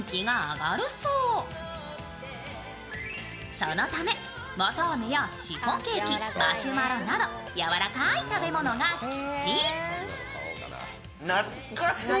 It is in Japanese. そのため、綿あめやシフォンケーキ、マシュマロなどやわらかい食べ物が吉。